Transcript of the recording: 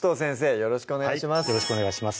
よろしくお願いします